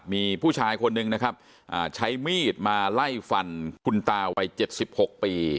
มีผู้ชายคนนึงนะครับอ่าใช้มีดมาไล่ฟันคุณตาวัยเจ็ดสิบหกปี